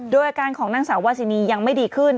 โดยอาการของนางสาววาซินียังไม่ดีขึ้น